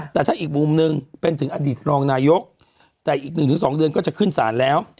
แต่ถ้าอีกมุมหนึ่งเป็นถึงอดีตรองนายกแต่อีก๑๒เดือนก็จะขึ้นศาลแล้ว